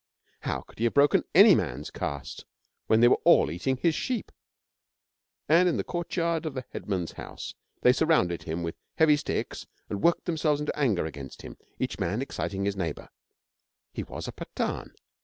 How could he have broken any man's caste when they were all eating his sheep? And in the courtyard of the headman's house they surrounded him with heavy sticks and worked themselves into anger against him, each man exciting his neighbour. He was a Pathan.